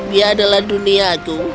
dia adalah duniaku